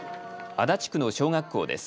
足立区の小学校です。